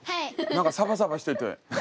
何かサバサバしてて。